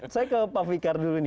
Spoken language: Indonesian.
saya ke pak fikar dulu nih